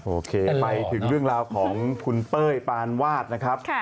โอเคไปถึงเรื่องราวของคุณเป้ยปานวาดนะครับ